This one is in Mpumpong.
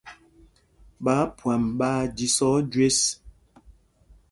Ɓááphwam ɓaa jísɔ̄ɔ̄ jüés.